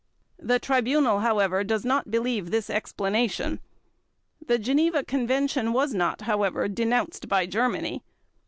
The Tribunal, however, does not believe this explanation. The Geneva Convention was not, however, denounced by Germany.